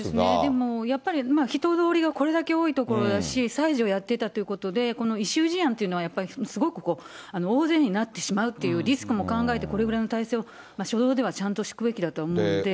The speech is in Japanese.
でもやはり、人通りがこれだけ多い所だし、催事をやっていたということで、この異臭事案というのはやっぱり、すごく大勢になってしまうというリスクも考えてこれぐらいの態勢を初動ではちゃんと敷くべきだと思うんで。